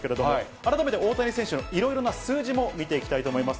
改めて大谷選手のいろいろな数字も見ていきたいと思います。